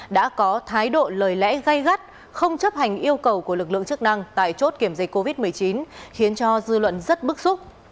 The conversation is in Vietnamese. đã có thái độ lời lẽ gây gắt không chấp hành yêu cầu của lực lượng chức năng tại chốt kiểm dịch covid một mươi chín khiến cho dư luận rất bức xúc